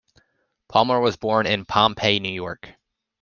Palmer was born in Pompey, New York.